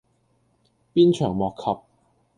鞭長莫及